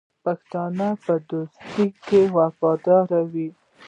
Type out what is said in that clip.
پښتون په دوستۍ کې وفادار وي.